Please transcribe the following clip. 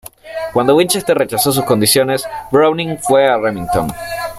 Cuando Winchester rechazó sus condiciones, Browning fue a Remington.